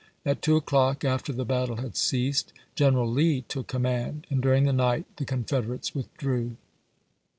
At two o'clock, after the battle had ceased, General Lee took command, and dui'ing the night the Confederates withdrew.